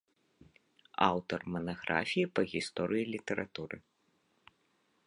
Аўтар манаграфій па гісторыі літаратуры.